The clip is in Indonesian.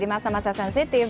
di masa masa sensitif